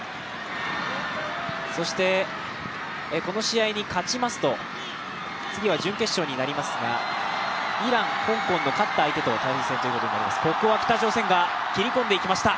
この試合に勝ちますと次は準決勝になりますがイラン×香港の勝った相手と対戦になります。